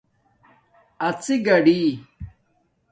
اڎݵ گاڑݵ